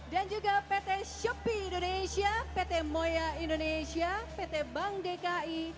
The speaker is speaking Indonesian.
dan juga pt shopee indonesia pt moya indonesia pt bank dki